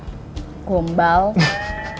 digombalinnya itu lagi itu lagi